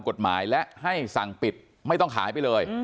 กฎหมายและให้สั่งปิดไม่ต้องขายไปเลย